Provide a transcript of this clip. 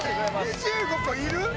２５個いる？